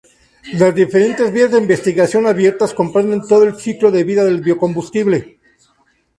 Las diferentes vías de investigación abiertas comprenden todo el ciclo de vida del biocombustible.